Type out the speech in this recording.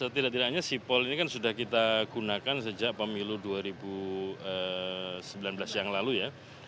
setidak tidaknya sipol ini kan sudah kita gunakan sejak pemilu dua ribu sembilan belas yang lalu ya